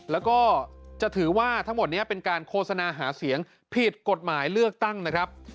แล้วก็จะถือว่าทั้งหมดนี้เป็นการโฆษณาหาเสียงผิดกฎหมายเลือกตั้งนะครับ